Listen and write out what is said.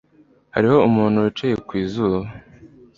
Hariho umuntu wicaye ku zuba.